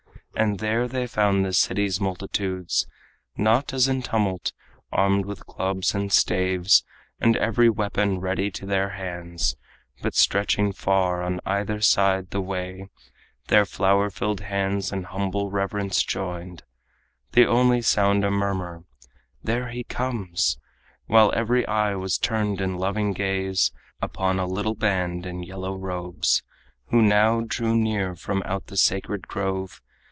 And there they found the city's multitudes, Not as in tumult, armed with clubs and staves, And every weapon ready to their hands, But stretching far on either side the way, Their flower filled hands in humble reverence joined, The only sound a murmur, "There he comes!" While every eye was turned in loving gaze Upon a little band in yellow robes Who now drew near from out the sacred grove.